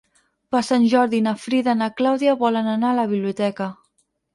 Per Sant Jordi na Frida i na Clàudia volen anar a la biblioteca.